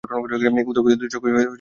উদয়াদিত্যের চোখে জল আসিল।